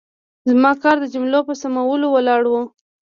زما کار د جملو په سمولو ولاړ و.